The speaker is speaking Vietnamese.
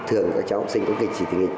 thường các cháu học sinh cũng kỳ trì thị nghịch